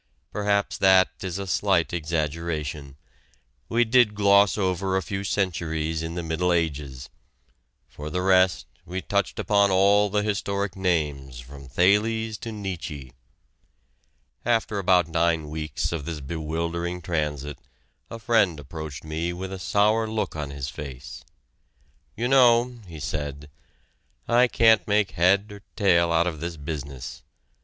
Perhaps that is a slight exaggeration we did gloss over a few centuries in the Middle Ages. For the rest we touched upon all the historic names from Thales to Nietzsche. After about nine weeks of this bewildering transit a friend approached me with a sour look on his face. "You know," he said, "I can't make head or tail out of this business.